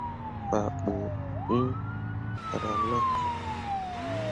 Me fah ɓuriŋ rana.